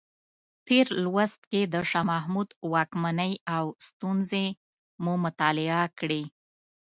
تېر لوست کې د شاه محمود واکمنۍ او ستونزې مو مطالعه کړې.